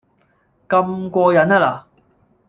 咁過癮吖嗱